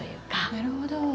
なるほど。